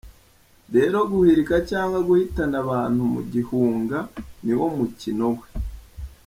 Rero guhirika cyangwa guhitana abantu mu gihunga niwo mukino we.